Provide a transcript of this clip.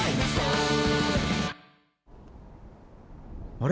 あれ？